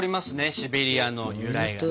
シベリアの由来がね。